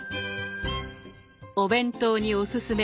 お弁当におすすめ。